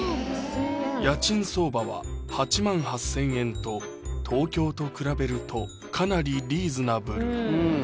家賃相場は８万８０００円と東京と比べるとかなりリーズナブル